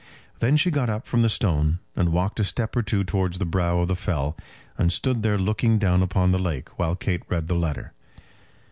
Then she got up from the stone and walked a step or two towards the brow of the fell, and stood there looking down upon the lake, while Kate read the letter.